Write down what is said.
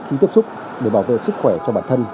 khi tiếp xúc để bảo vệ sức khỏe cho bản thân